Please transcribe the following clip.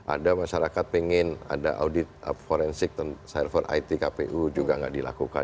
ada masyarakat pengen ada audit forensik server it kpu juga nggak dilakukan